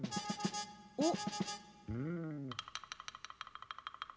おっ？